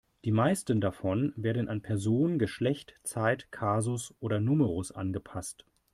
Die meisten davon werden an Person, Geschlecht, Zeit, Kasus oder Numerus angepasst.